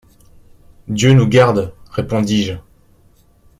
Dieu nous garde ! répondis-je.